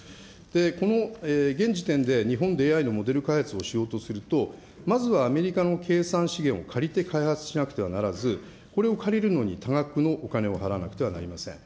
この現時点で日本でＡＩのモデル開発をしようとすると、まずはアメリカの計算資源を借りて開発しなくてはならず、これを借りるのに多額のお金を払わなくてはなりません。